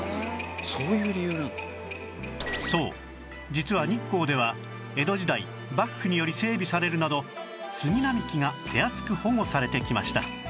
そう実は日光では江戸時代幕府により整備されるなど杉並木が手厚く保護されてきました